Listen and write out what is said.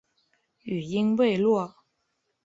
语音未落